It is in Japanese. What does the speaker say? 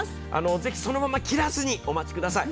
ぜひそのまま切らずにお待ちください。